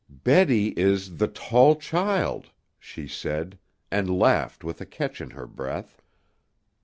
"Betty is 'the tall child,'" she said, and laughed with a catch in her breath.